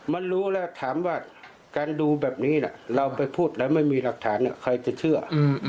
มันรู้แล้วถามว่าการดูแบบนี้เราไปพูดแล้วไม่มีหลักฐานใครจะเชื่อ